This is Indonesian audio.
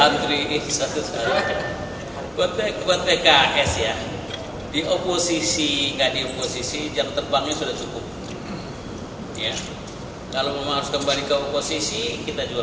enggak dioposisi yang terbangnya sudah cukup ya kalau mau kembali ke oposisi kita juga